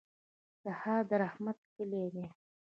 سهار د رحمت کلي ده.